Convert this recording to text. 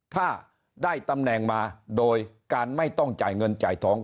ถ้าได้ตำแหน่งมาโดยการไม่ต้องจ่ายเงินจ่ายทอง